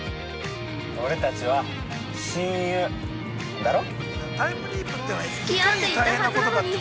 ◆俺たちは親友、だろ？